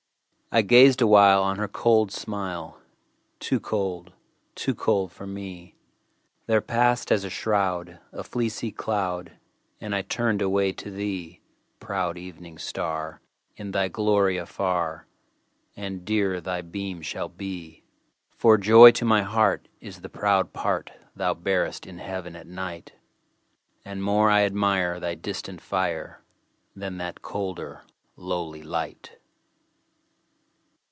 I gazed awhile On her cold smile; Too cold—too cold for me— There passed, as a shroud, A fleecy cloud, And I turned away to thee, Proud Evening Star, In thy glory afar And dearer thy beam shall be; For joy to my heart Is the proud part Thou bearest in Heaven at night, And more I admire Thy distant fire, Than that colder, lowly light.